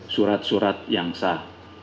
surat surat yang sah